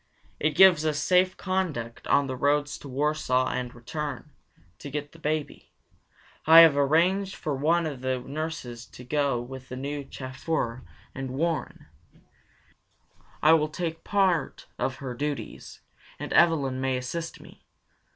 It gives us safe conduct on the roads to Warsaw and return, to get the baby. I have arranged for one of the nurses to go with the new chauffeur and Warren. I will take part of her duties, and Evelyn may assist me.